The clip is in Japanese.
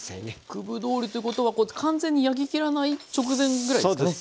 九分どおりということは完全に焼き切らない直前ぐらいですかね。